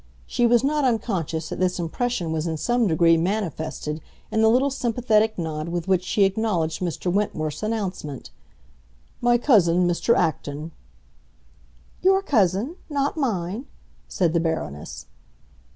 She was not unconscious that this impression was in some degree manifested in the little sympathetic nod with which she acknowledged Mr. Wentworth's announcement, "My cousin, Mr. Acton!" "Your cousin—not mine?" said the Baroness.